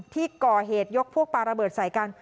ที่ก่อเหตุยกพวกปลาระเบิดใส่กัน